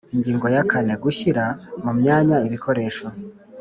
Ingingo ya kane Gushyira mu myanya ibikoresho